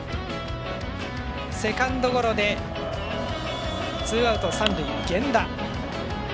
セカンドゴロで、ツーアウト三塁源田。